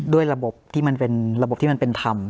ด้วยระบบที่มันเป็นระบบที่มันเป็นธรรม